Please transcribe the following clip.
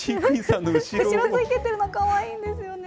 後ろついていっているの、かわいいんですよね。